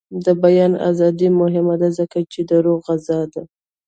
د بیان ازادي مهمه ده ځکه چې د روح غذا ده.